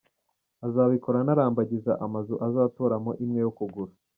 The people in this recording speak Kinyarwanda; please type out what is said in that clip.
Azabikora anarambagiza amazu azatoramo imwe yo kugura.